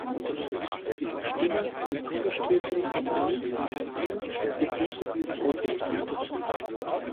Ich stimme dem angestrebten Kompromiss daher zu und begrüße diesen aufrichtig.